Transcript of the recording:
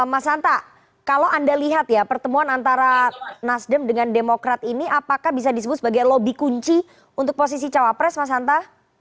mas santa kalau anda lihat ya pertemuan antara nasdem dengan demokrat ini apakah bisa disebut sebagai lobby kunci untuk posisi cawapres mas hanta